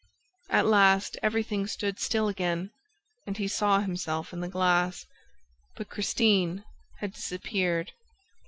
At last, everything stood still again; and he saw himself in the glass. But Christine had disappeared.